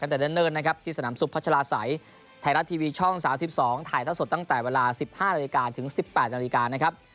ไทยรัททีวีช่อง๓๒ถ่ายต้นตั้งแต่เวลา๑๕นาทีการถึง๑๘นาทีบกาลนะครับ